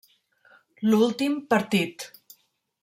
L'últim partit.